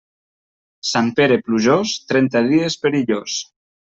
Sant Pere plujós, trenta dies perillós.